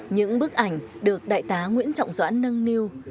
những bức ảnh được đại tá nguyễn trọng doãn nâng niu